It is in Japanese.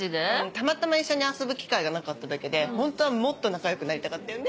たまたま一緒に遊ぶ機会がなかっただけでホントはもっと仲良くなりたかったよね。